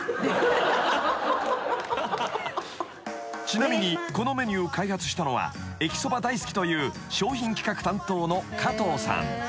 ［ちなみにこのメニューを開発したのは駅そば大好きという商品企画担当の加藤さん］